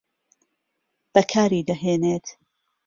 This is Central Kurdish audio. بەکاری دەهێنێت